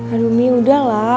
aduh mia udahlah